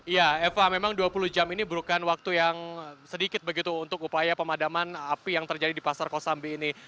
ya eva memang dua puluh jam ini bukan waktu yang sedikit begitu untuk upaya pemadaman api yang terjadi di pasar kosambi ini